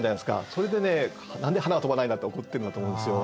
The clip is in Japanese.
それでね何で花は飛ばないんだって怒ってるんだと思うんですよ。